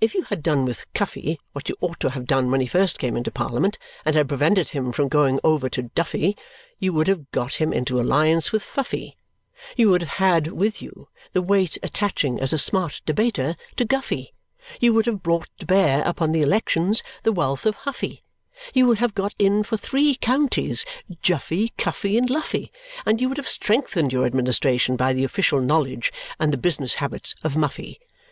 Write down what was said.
If you had done with Cuffy what you ought to have done when he first came into Parliament, and had prevented him from going over to Duffy, you would have got him into alliance with Fuffy, you would have had with you the weight attaching as a smart debater to Guffy, you would have brought to bear upon the elections the wealth of Huffy, you would have got in for three counties Juffy, Kuffy, and Luffy, and you would have strengthened your administration by the official knowledge and the business habits of Muffy.